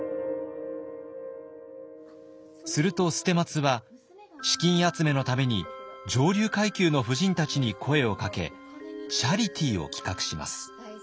すると捨松は資金集めのために上流階級の夫人たちに声をかけチャリティを企画します。